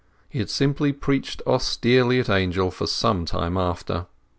He had simply preached austerely at Angel for some time after.